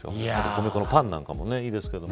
米粉のパンなんかもいいですけど。